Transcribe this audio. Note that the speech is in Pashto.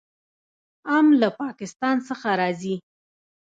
ام له پاکستان څخه راځي.